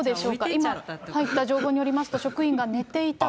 今、入った情報によりますと、えっ？